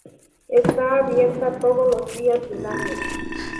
Está abierta todos los días del año.